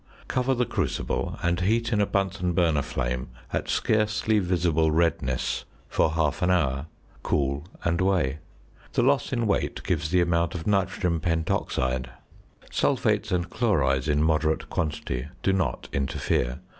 Cover the crucible, and heat in a Bunsen burner flame at scarcely visible redness for half an hour. Cool and weigh. The loss in weight gives the amount of nitrogen pentoxide. Sulphates and chlorides in moderate quantity do not interfere.